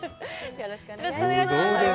よろしくお願いします。